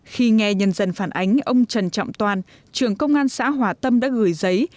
khi nghe nhân dân phản ánh ông trần trọng toàn trưởng công an xã hòa tâm đã gửi giấy